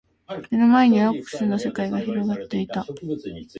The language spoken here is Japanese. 目の前には蒼く澄んだ世界が広がっていた。